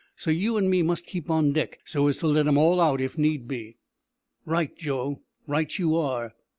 So you an' me must keep on deck, so as to let 'em all out if need be." "Right, Joe, right you are."